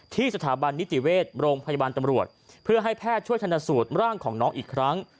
สถาบันนิติเวชโรงพยาบาลตำรวจเพื่อให้แพทย์ช่วยชนสูตรร่างของน้องอีกครั้ง